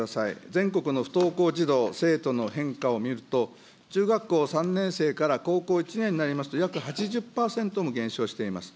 全国の不登校児童、生徒の変化を見ると、中学校３年生から高校１年になりますと、約８０％も減少しています。